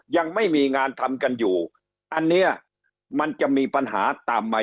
ยังไม่มีงานทำกันอยู่อันเนี้ยมันจะมีปัญหาตามมา